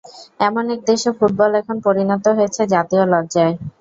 এমন এক দেশে ফুটবল এখন পরিণত হয়েছে জাতীয় লজ্জায়।